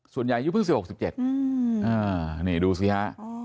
ส่วนใหญ่ยุคพึ่ง๑๖๑๗นี่ดูสิฮะ